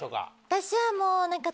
私はもう。